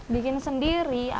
bikin sendiri atau